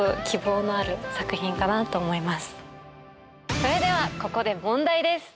それではここで問題です。